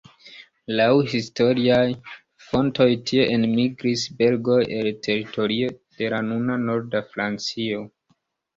Laŭ historiaj fontoj tie enmigris belgoj el teritorio de la nuna norda Francio.